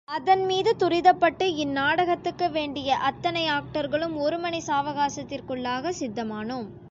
அதன்மீது, துரிதப்பட்டு, இந்நாடகத்துக்கு வேண்டிய அத்தனை ஆக்டர்களும் ஒரு மணி சாவகாசத்திற்குள்ளாகச் சித்தமானோம்!